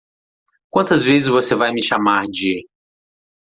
Quantas vezes você vai me chamar de?